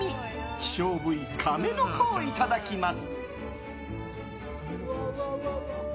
希少部位カメノコをいただきます。